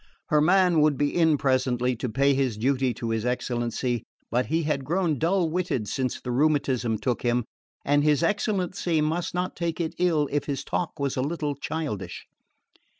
Her man would be in presently to pay his duty to his excellency; but he had grown dull witted since the rheumatism took him, and his excellency must not take it ill if his talk was a little childish.